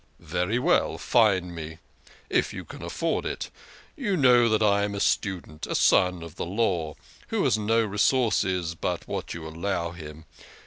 "Very well, fine me if you can afford it. You know that I am a student, a son of the Law, who has no resources but what you allow him.